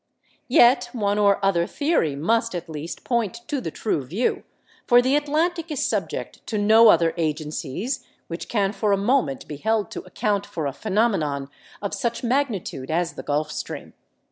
Yet one or other theory must at least point to the true view, for the Atlantic is subject to no other agencies which can for a moment be held to account for a phenomenon of such magnitude as the Gulf Stream.